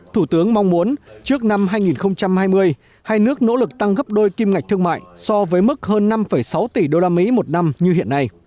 thủ tướng mong muốn trước năm hai nghìn hai mươi hai nước nỗ lực tăng gấp đôi kim ngạch thương mại so với mức hơn năm sáu tỷ usd một năm như hiện nay